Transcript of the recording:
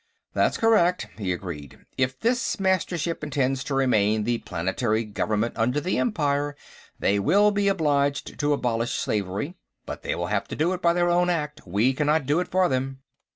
_" "That's correct," he agreed. "If this Mastership intends to remain the planetary government under the Empire, they will be obliged to abolish slavery, but they will have to do it by their own act. We cannot do it for them."